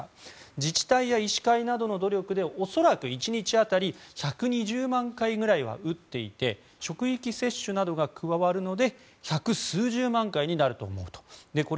自治体や医師会などの努力で恐らく１日当たり１２０万回ぐらいは打っていて職域接種などが加わるので１００数十万回になると思うとのこと。